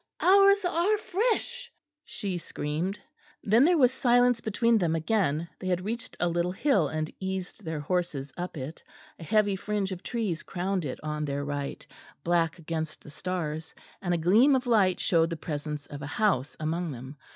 "Ours are fresh," she screamed. Then there was silence between them again; they had reached a little hill and eased their horses up it; a heavy fringe of trees crowned it on their right, black against the stars, and a gleam of light showed the presence of a house among them.